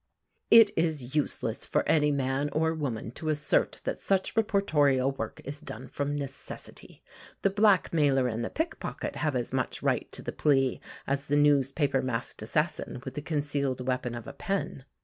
It is useless for any man or woman to assert that such reportorial work is done from necessity. The blackmailer and the pickpocket have as much right to the plea, as the newspaper masked assassin, with the concealed weapon of a pen.